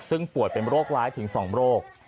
ซึ่งป่วยเป็นโรคร้ายถึง๒โรค